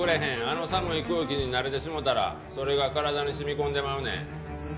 あの寒い空気に慣れてしもうたらそれが体に染み込んでまうねん。